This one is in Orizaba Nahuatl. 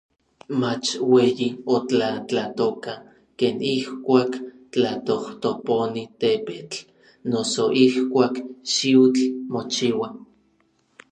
mach ueyi otlatlatoka, ken ijkuak tlatojtoponi tepetl noso ijkuak xiutl mochiua.